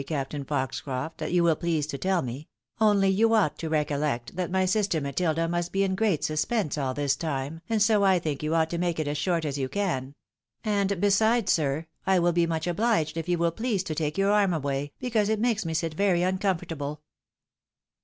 Captain Foxcroft, that you will please to teU me ; only you ought to recollect that my sister Matilda must be in great suspense aU this time, and so I think you ought to make it as short as you can: and besides, sir, I will be much obhged if you wall please to take your arm away, because it makes me sit very uncomfortable."